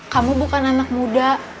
kamu bukan anak muda